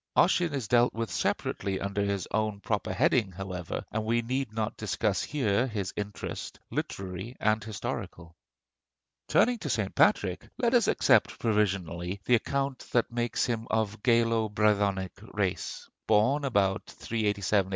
Ossian is dealt with separately under his own proper heading, however, and we need not discuss here his interest, literary and historical. Turning to St. Patrick, let us accept provisionally the account that makes him of Gaelo Brythonic race, born about 387 A.D.